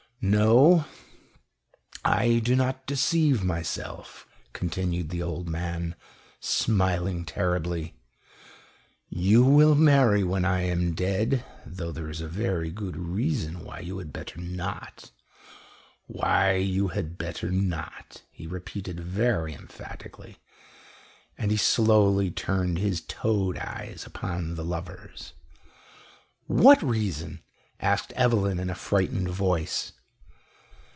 "No; I do not deceive myself," continued the old man, smiling terribly. "You will marry when I am dead, though there is a very good reason why you had better not why you had better not," he repeated very emphatically, and he slowly turned his toad eyes upon the lovers. "What reason?" asked Evelyn in a frightened voice.